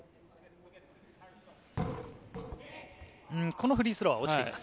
このフリースローは落ちています。